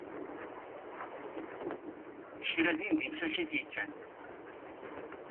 Kra din d imcac i t-yeččan.